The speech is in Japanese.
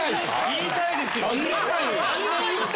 言いたいです！